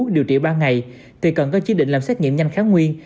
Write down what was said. điều trị ba ngày thì cần có chế định làm xét nghiệm nhanh kháng nguyên